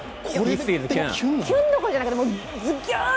キュンどころじゃなくてズキューン！